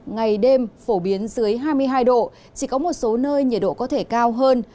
ngày đêm phổ biến dưới hai mươi hai độ chỉ có một số nơi nhiệt độ có thể cao hơn